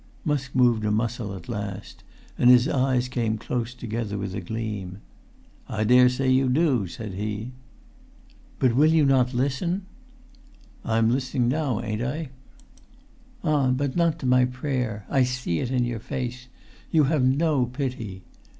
Musk moved a muscle at last, and his eyes came close together with a gleam. "I daresay you do," said he. "But will you not listen——" "I'm listening now, ain't I?" "Ah, but not to my prayer! I see it in your face; you have no pity.